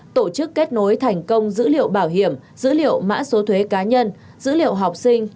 tổ chức kết nối thành công dữ liệu bảo hiểm dữ liệu mã số thuế cá nhân dữ liệu học sinh